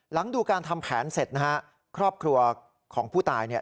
หลังดูการทำแผนเสร็จครอบครัวของผู้ตาย